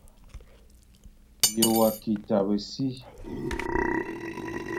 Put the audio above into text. Ye wa ki tabe si ?